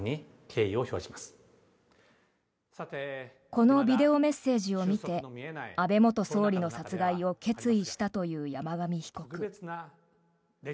このビデオメッセージを見て安倍元総理の殺害を決意したという山上被告。